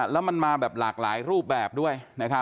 แล้วมันมาแบบหลากหลายรูปแบบด้วย